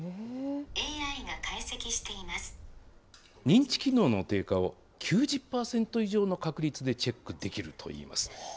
認知機能の低下を、９０％以上の確率でチェックできるといいます。